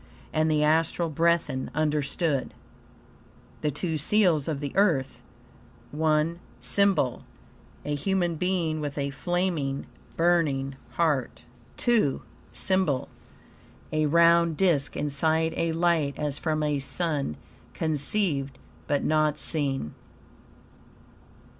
And the Astral Brethren understood. THE TWO SEALS OF THE EARTH I SYMBOL A human being, with a flaming, burning heart. II SYMBOL A round disk inside a light, as from a sun, conceived, but not seen.